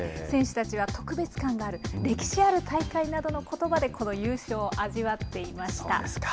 選手たちは特別感がある、歴史ある大会などのことばで優勝を味わっていました。